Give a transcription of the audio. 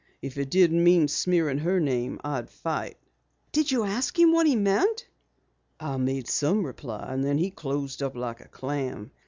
If it didn't mean smearing her name, I'd fight!'" "Did you ask him what he meant?" "I made some reply, and then he closed up like a clam.